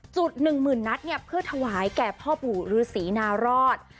จุด๑๐๐๐๐นัทเพื่อถวายแก่พ่อปู่ฤษีนารอด